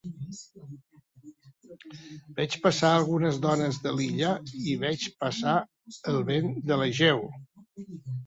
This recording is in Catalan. Veig passar algunes dones de l'illa i veig passar el vent de l'Egeu.